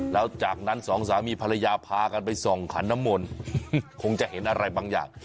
แล้วจากนั้นสองสามีภรรยาพากันไปส่องขันน้ำมนต์คงจะเห็นอะไรบางอย่าง